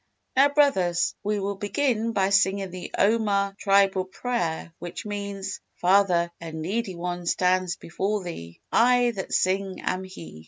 "Now, brothers, we will begin by singing the Omaha Tribal Prayer which means, 'Father, a needy one stands before Thee I that sing am he.